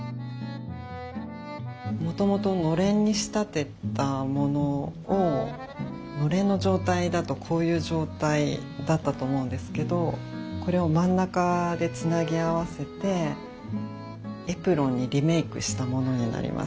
もともとのれんに仕立てたものをのれんの状態だとこういう状態だったと思うんですけどこれを真ん中でつなぎ合わせてエプロンにリメークしたものになります。